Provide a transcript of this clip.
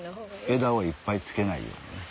枝をいっぱいつけないように。